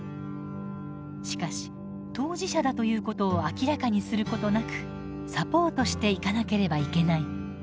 しかし当事者だということを明らかにすることなくサポートしていかなければいけない。